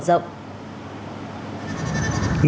nghã tư kỷ lý